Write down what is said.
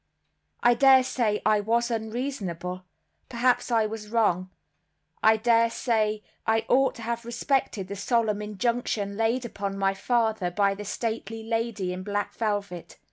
I dare say I was unreasonable, perhaps I was wrong; I dare say I ought to have respected the solemn injunction laid upon my father by the stately lady in black velvet.